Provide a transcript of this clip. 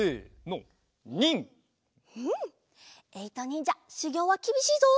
えいとにんじゃしゅぎょうはきびしいぞ。